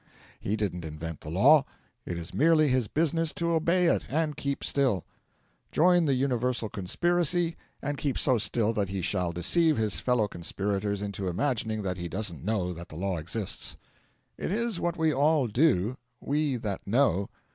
He didn't invent the law; it is merely his business to obey it and keep still; join the universal conspiracy and keep so still that he shall deceive his fellow conspirators into imagining that he doesn't know that the law exists. It is what we all do we that know.